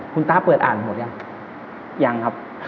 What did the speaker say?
คุณต้าเปิดอ่านหมดยัง